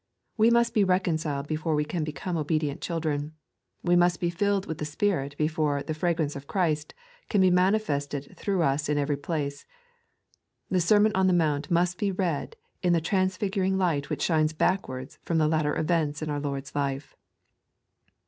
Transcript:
We must be reconciled before we can become obedient children ; we must be filled with the Spirit before " the fragrance of Christ " can be manifested through us in every place. The Sermon on the Mount must be read in the trans figuring light which shines backwards irom the later events in our Lord's life.